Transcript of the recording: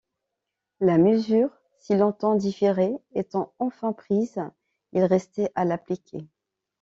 La mesure si longtemps différée étant enfin prise, il restait à l'appliquer.